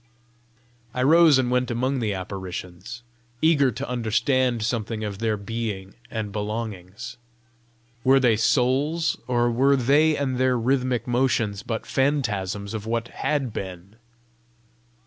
I rose and went among the apparitions, eager to understand something of their being and belongings. Were they souls, or were they and their rhythmic motions but phantasms of what had been?